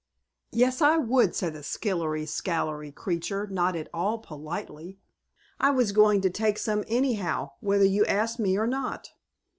"Yes, I would," said the skillery scalery creature, not at all politely. "I was going to take some anyhow whether you asked me or not."